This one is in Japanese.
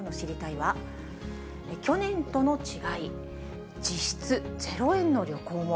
は、去年との違い、実質０円の旅行も。